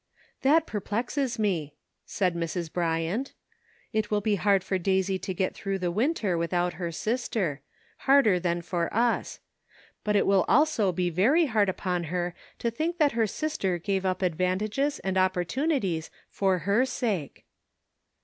"That perplexes me," said Mrs. Bryant. "It will be hard for Daisy to get through the winter without her sister — harder than for us. But it will also be very hard upon her to think that her sister gave up advantages and opportunities for her sake."